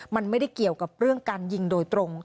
มันไม่ได้เกี่ยวกับเรื่องการยิงโดยตรง